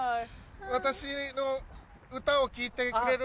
私の歌を聴いてくれる？